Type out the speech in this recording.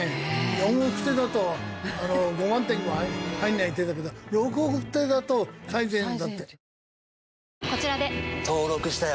４億手だと５番手にも入らない手だけど６億手だと最善手だって。